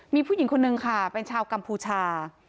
มีผู้หญิงคนนึงค่ะเป็นชาวกัมพูชา